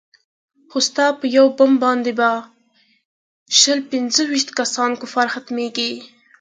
خو ستا په يو بم باندې به شل پينځه ويشت كسه كفار ختميږي.